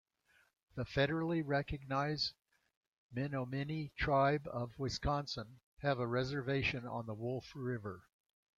The federally recognized Menominee Tribe of Wisconsin have a reservation on the Wolf River.